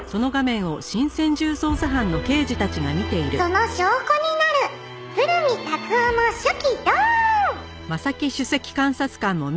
「その証拠になる鶴見達男の手記ドーン！」